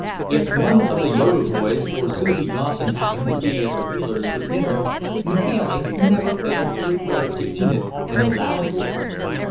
If one of the Yoeder boys or Susie Dawson happened to be at the Wheelers' for dinner, Mahailey never failed to refer to Enid in a loud voice.